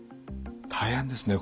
大変ですね。